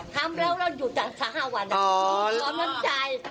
ทำแล้วแล้วหยุดชาวห้าวันตั้งรอบน้ำจาย